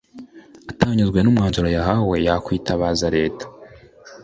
atanyuzwe n umwanzuro yahawe yakwitabaza leta